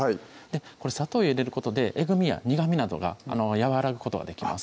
これ砂糖を入れることでえぐみや苦みなどが和らぐことができます